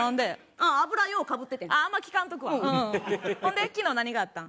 ほんで昨日何があったん？